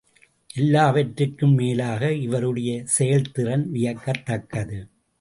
எல்லாவற்றிற்கும் மேலாக இவருடைய செயல்திறன் வியக்கத்தக்கது.